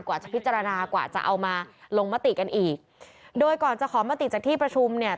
กว่าจะพิจารณากว่าจะเอามาลงมติกันอีกโดยก่อนจะขอมติจากที่ประชุมเนี่ย